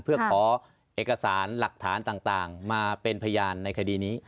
เพื่อขอเอกสารหลักฐานต่างมาเป็นพยานในคดีนี้